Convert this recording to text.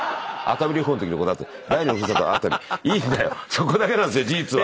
そこだけなんですよ事実は。